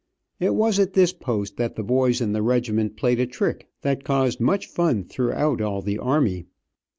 It was at this post that the boys in the regiment played a trick that caused much fun throughout all the army.